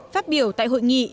phát biểu tại hội nghị